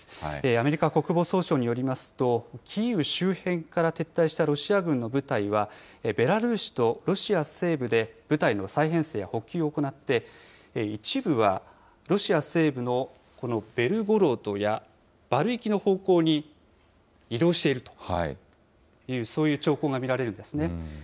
アメリカ国防総省によりますと、キーウ周辺から撤退したロシア軍の部隊は、ベラルーシとロシア西部で部隊の再編成や補給を行って、一部はロシア西部のこのベルゴロドやバルイキの方向に移動しているという、そういう兆候が見られるんですね。